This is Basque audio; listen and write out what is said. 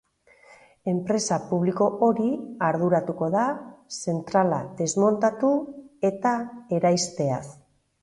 Enpresa publiko hori arduratuko da zentrala desmuntatu eta eraisteaz.